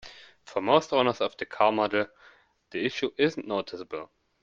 For most owners of the car model, the issue isn't noticeable.